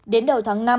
đến đầu tháng năm